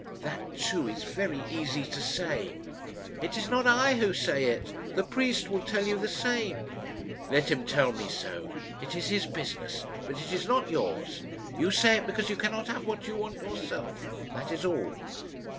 "That, too, is very easy to say." "It is not I who say it. The priest will tell you the same." "Let him tell me so; it is his business, but it is not yours. You say it because you cannot have what you want yourself; that is all.